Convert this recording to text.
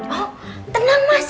oh tenang mas